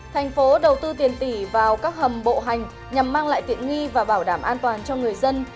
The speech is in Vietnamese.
thành phố đầu tư tiền tỷ vào các hầm bộ hành nhằm mang lại tiện nghi và bảo đảm an toàn cho người dân